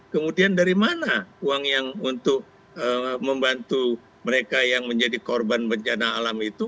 kemudian dari mana uang yang untuk membantu mereka yang menjadi korban bencana alam itu